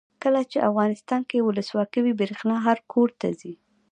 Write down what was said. کله چې افغانستان کې ولسواکي وي برښنا هر کور ته ځي.